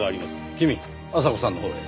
君阿佐子さんのほうへ。